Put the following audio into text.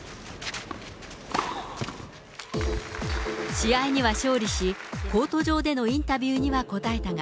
試合には勝利し、コート上でのインタビューには応えたが、